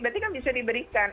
berarti kan bisa diberikan